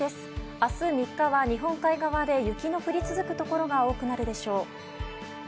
あす３日は、日本海側で雪の降り続く所が多くなるでしょう。